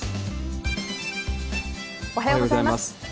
おはようございます。